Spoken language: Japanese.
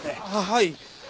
はい。